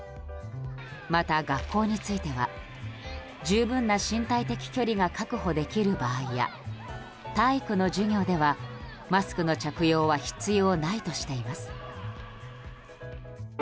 また、学校については十分な身体的距離が確保できる場合や体育の授業ではマスクの着用は必要ないとしています。